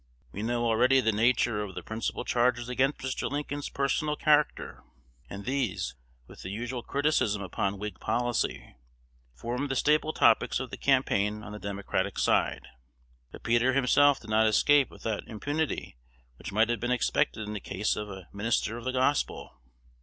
We know already the nature of the principal charges against Mr. Lincoln's personal character; and these, with the usual criticism upon Whig policy, formed the staple topics of the campaign on the Democratic side. But Peter himself did not escape with that impunity which might have been expected in the case of a minister of the gospel.